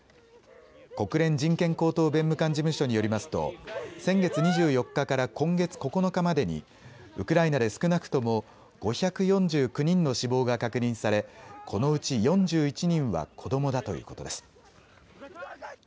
国連人権高等弁務官事務所によりますと先月２４日から今月９日までにウクライナで少なくとも５４９人の死亡が確認されこのうち４１人は子どもだということです。